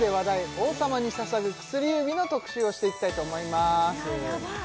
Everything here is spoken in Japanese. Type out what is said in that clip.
「王様に捧ぐ薬指」の特集をしていきたいと思いますいややばい